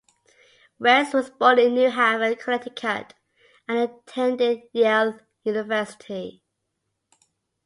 Weiss was born in New Haven, Connecticut, and attended Yale University.